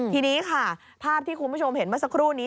ทีนี้ค่ะภาพที่คุณผู้ชมเห็นเมื่อสักครู่นี้